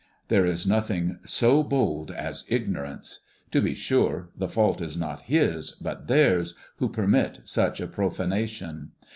"There is nothing so bold as ignorance. To be sure, the fault is not his, but theirs, who permit such a profanation.